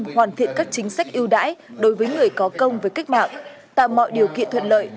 hoàn thiện các chính sách ưu đãi đối với người có công với cách mạng tạo mọi điều kiện thuận lợi